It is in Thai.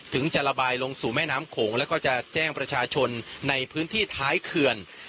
จะระบายลงสู่แม่น้ำโขงแล้วก็จะแจ้งประชาชนในพื้นที่ท้ายเขื่อน